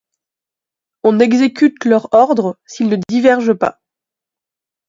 On exécute leur ordre s’ils ne divergent pas.